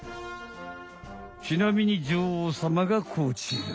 ちなみに女王様がこちら。